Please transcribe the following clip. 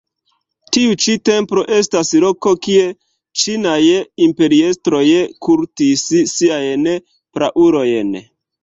Tiu ĉi templo estas loko, kie ĉinaj imperiestroj kultis siajn praulojn.